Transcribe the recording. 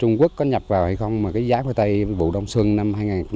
giá khoai tây bù đông xuân năm hai nghìn một mươi tám